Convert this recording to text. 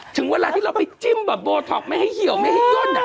ถึงเวลาที่เราไปจิ้มแบบโบท็อกไม่ให้เหี่ยวไม่ให้ย่น